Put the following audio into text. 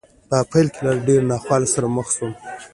په هماغه پيل کې له ډېرو ناخوالو سره مخ شو.